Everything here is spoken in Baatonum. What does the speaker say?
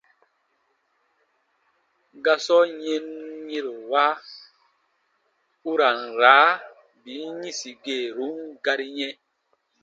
Gasɔ yɛnyɛ̃rowa u ra n raa bin yĩsi kɛ̃run gari yɛ̃.